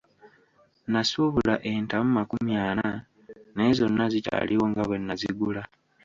Nasuubula entamu makumi ana naye zonna zikyaliwo nga bwe nnazigula.